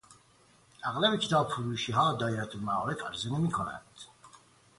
اغلب کتاب فروشیها دایرهالمعارف عرضه نمیکنند.